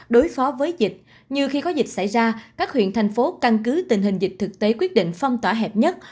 đối phó với dịch như khi có dịch xảy ra các huyện thành phố căn cứ tình hình dịch thực tế quyết định phong tỏa hẹp nhất